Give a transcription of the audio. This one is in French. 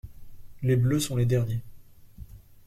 Les bleus sont les derniers.